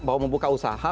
bahwa membuka usaha